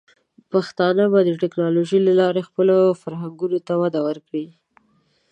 پښتانه به د ټیکنالوجۍ له لارې خپلو فرهنګونو ته وده ورکړي.